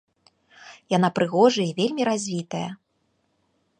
Яна прыгожая і вельмі развітая.